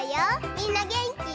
みんなげんき？